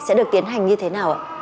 sẽ được tiến hành như thế nào ạ